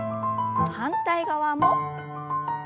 反対側も。